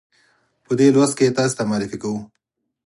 په دې لوست کې یې تاسې ته معرفي کوو.